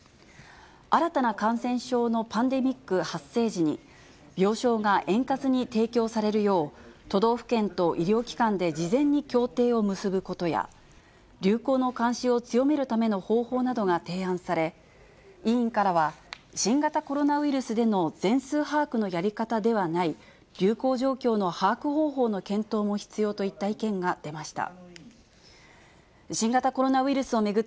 新たな感染症のパンデミック発生時に、病床が円滑に提供されるよう、都道府県と医療機関で事前に協定を結ぶことや、流行の監視を強めるための方法などが提案され、委員からは、新型コロナウイルスでの全数把握のやり方ではない、流行状況の把握方法の検討も必要といった意見が出ました。